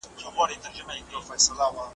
خدایه کشکي مي دا شپه نه ختمېدلای .